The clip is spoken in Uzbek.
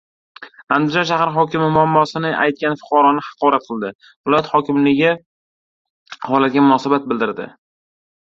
Andijon shahar hokimi muammosini aytgan fuqaroni haqorat qildi. Viloyat hokimligi holatga munosabat bildirdi